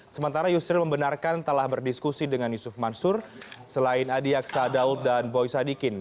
sementara yusril membenarkan telah berdiskusi dengan yusuf mansur selain adi aksa daud dan boy sadikin